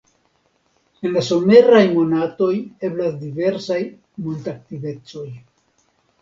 En la someraj monatoj eblas diversaj montaktivecoj.